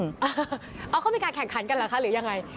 เขามีการแข่งขันกันหรือยังไง